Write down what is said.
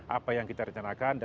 apa yang kita rencanakan